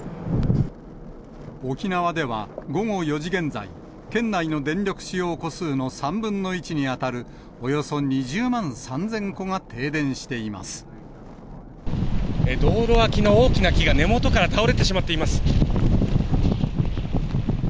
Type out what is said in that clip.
沖縄では午後４時現在、県内の電力使用戸数の３分の１に当たる、およそ２０万３０００戸道路脇の大きな木が根元から倒れてしまっています。